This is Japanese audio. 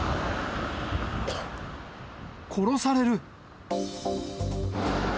殺される。